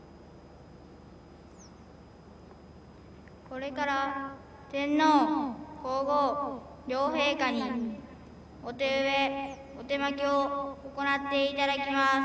これから天皇皇后両陛下にお手植えお手播きを行っていただきます。